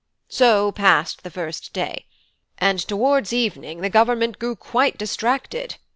"So passed the first day, and towards evening the Government grew quite distracted.